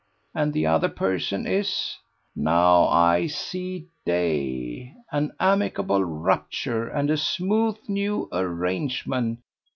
And the other person is now I see day! An amicable rupture, and a smooth new arrangement.